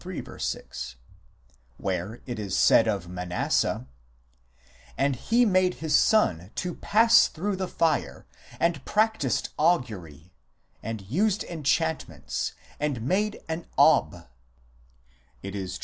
6), where it is said of Manasseh : "And he made his son to pass through the fire, and practised augury, and used enchantments, and made an Ob.